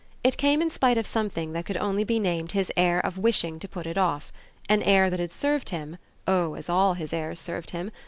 It came in spite of something that could only be named his air of wishing to put it off; an air that had served him oh as all his airs served him!